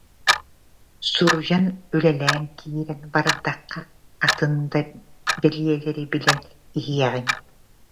Суруйан-үлэлээн киирэн бардаххына атын да бэлиэлэри билэн иһиэҕиҥ